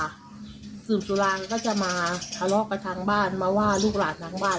เมื่อเกิดจะขึ้นปัญหาออกไปหาปลาไม่ต้องเข้าบ้าน